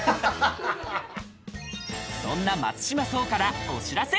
そんな松島聡からお知らせ。